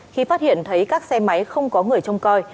khi phát hiện thấy các xe máy không có người trông coi